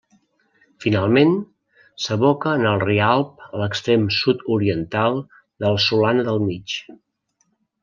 Finalment, s'aboca en el Rialb a l'extrem sud-oriental de la Solana del Mig.